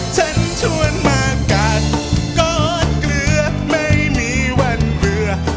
ฉันชวนมากัดกอดเกลือไม่มีวันเบื่อ